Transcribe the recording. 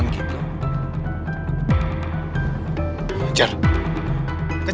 kim krim gatjek perkejaran